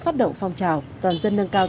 phát động phong trào toàn dân nâng cao